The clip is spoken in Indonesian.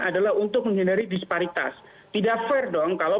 adalah untuk menghindari disparitas tidak fair dong kalau